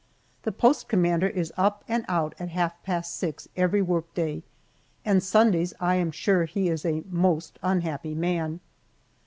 The post commander is up and out at half past six every workday, and Sundays I am sure he is a most unhappy man.